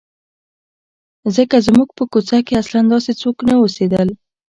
ځکه زموږ په کوڅه کې اصلاً داسې څوک نه اوسېدل.